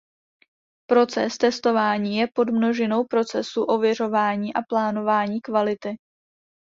Proces testování je podmnožinou procesu ověřování a plánování kvality.